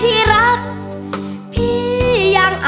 เพราะเธอชอบเมือง